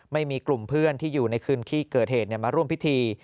ไม่มีกลุ่มเพื่อนที่อยู่ในคืนที่เกิดเหตุมาร่วมพิธี